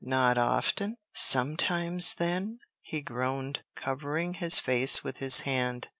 "Not often? sometimes, then?" he groaned, covering his face with his hand.